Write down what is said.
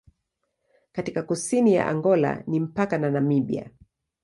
Katika kusini ya Angola ni mpaka na Namibia.